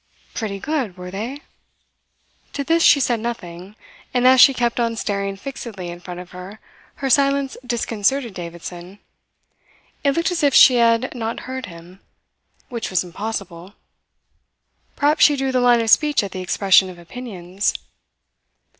"Pretty good, were they?" To this she said nothing; and as she kept on staring fixedly in front of her, her silence disconcerted Davidson. It looked as if she had not heard him which was impossible. Perhaps she drew the line of speech at the expression of opinions.